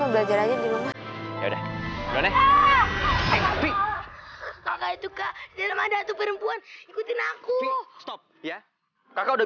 belajar aja di rumah ya udah udah nih itu ke dalam ada perempuan ikutin aku ya kakak udah